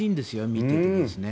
見ていてですね。